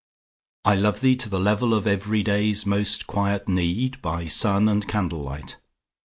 I love thee to the level of everyday's Most quiet need, by sun and candlelight.